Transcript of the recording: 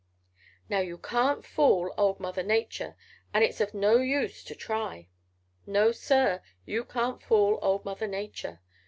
"Now you can't fool old Mother Nature and it's of no use to try. No, Sir, you can't fool old Mother Nature.